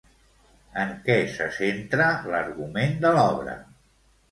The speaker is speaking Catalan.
En què se centra l'argument de l'obra?